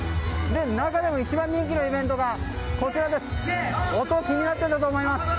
中でも一番人気のイベントが音が気になっていたと思います。